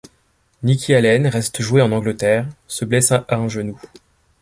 Nicky Allen reste jouer en Angleterre, se blesse à un genou.